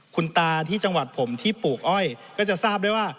คุณตาที่จังหวัดผมที่ปลูกอ้อยก็จะทราบด้วยว่า